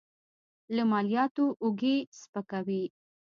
له مالیاتو اوږې سپکوي.